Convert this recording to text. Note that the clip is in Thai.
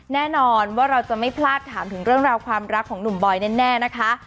แน่นอนว่าเราจะไม่พลาดถามถึงเรื่องราวความรักของหนุ่มบอยแน่นะคะ